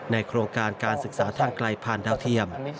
โครงการการศึกษาทางไกลผ่านดาวเทียม